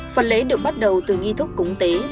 phần lễ được bắt đầu từ nghi thức cúng tế